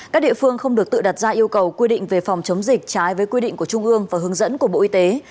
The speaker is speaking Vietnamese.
các địa phương không được tự đặt ra yêu cầu quy định về phòng chống dịch trái với quy định của trung ương và hướng dẫn của bộ y tế